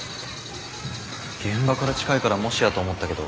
現場から近いからもしやと思ったけど無理かな？